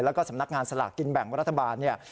แล้วก็สำนักงานสลากกินแบ่งรัฐบาลเนี่ย